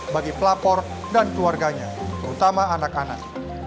bagi pelapor dan keluarganya terutama anak anak